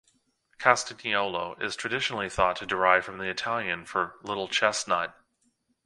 Castaniolo is traditionally thought to derive from the Italian for "little chestnut".